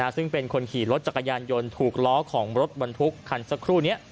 ซึ่งเป็นคนขี่รถจักรยานยนต์ถูกล้อของรถบรรทุกคันสักครู่นี้